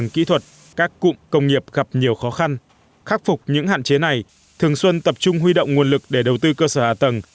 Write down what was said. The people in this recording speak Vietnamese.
khắc phục những hạn chế này thường xuân tập trung huy động nguồn lực để đầu tư cơ sở hạ tầng